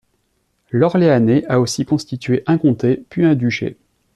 L'Orléanais a aussi constitué un comté puis un duché.